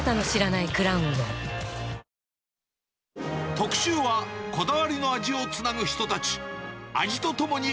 特集は、こだわりの味をつなぐ人たち。